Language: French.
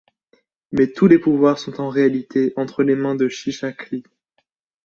Mais tous les pouvoirs sont en réalité entre les mains de Chichakli.